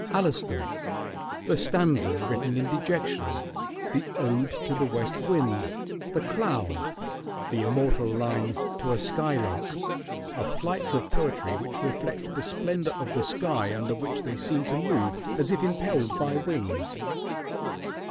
"Alastor," the "Stanzas Written in Dejection," the "Ode to the West Wind," "The Cloud," the immortal lines "To a Skylark," are flights of poetry which reflect the splendor of the sky under which they seem to move as if impelled by wings.